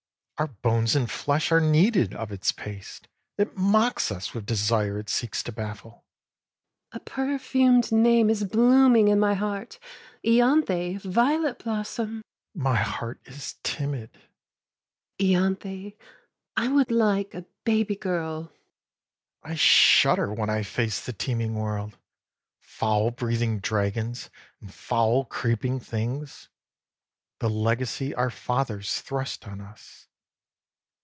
HE: Our bones and flesh are kneaded of its paste : It mocks us with desire it seeks to baffle. SHE : A perfumed name is blooming in my heart, lanthe, violet blossom ! RE : My heart is timid. SHE : lanthe ! I would like a baby girl. 36 IN THE NET OF THE STARS HE : I shudder when I face the teeming world, Foul breathing dragons and foul creeping things, The legacy our fathers thrust on us.